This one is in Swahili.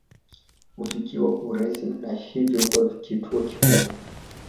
Hufikiwa kwa urahisi na hivyo huwa kivutio kikubwa